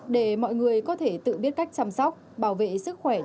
để mọi người có thể tự biết cách chăm sóc bảo vệ sức khỏe